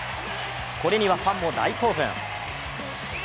これにはファンも大興奮。